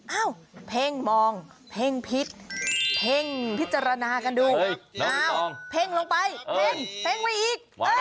เอ้าเพ่งมองเพ่งพิษเพ่งพิจารณากันดูอ้าวเพ่งลงไปเพ่งเพ่งไปอีก